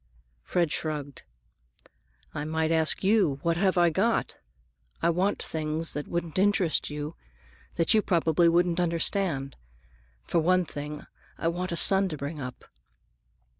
Fred shrugged. "I might ask you, What have I got? I want things that wouldn't interest you; that you probably wouldn't understand. For one thing, I want a son to bring up."